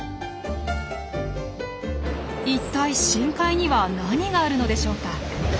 いったい深海には何があるのでしょうか？